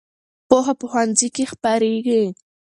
پوهه په ښوونځي کې خپرېږي.